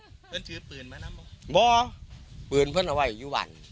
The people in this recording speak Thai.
เพื่อนชื้อปืนไหมน้ำบอกปืนเพื่อนเอาไว้อยู่วัน